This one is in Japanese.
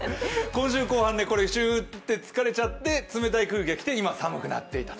今週後半、しゅって疲れちゃって冷たい空気が来て今、寒くなっている。